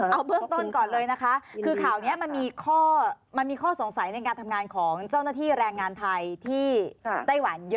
เอาเบื้องต้นก่อนเลยนะคะคือข่าวนี้มันมีข้อมันมีข้อสงสัยในการทำงานของเจ้าหน้าที่แรงงานไทยที่ไต้หวันเยอะ